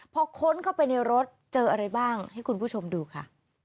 พอค้นเข้าไปในรถเจออะไรบ้างให้คุณผู้ชมดูค่ะ